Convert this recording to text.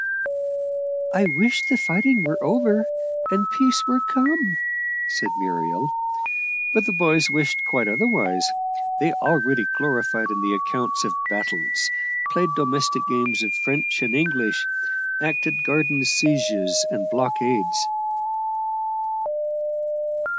"I wish the fighting were over, and peace were come," said Muriel. But the boys wished quite otherwise; they already gloried in the accounts of battles, played domestic games of French and English, acted garden sieges and blockades.